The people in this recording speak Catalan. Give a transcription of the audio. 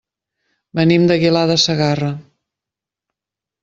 Venim d'Aguilar de Segarra.